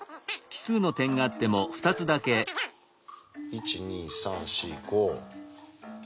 １２３４５。